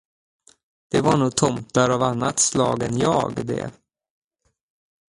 Det var nog tomtar av annat slag än jag, det.